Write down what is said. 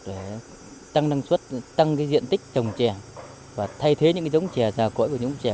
để tăng năng suất tăng diện tích trồng trè và thay thế những giống trè già cõi của những trè